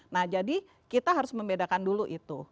nah jadi kita harus membedakan dulu itu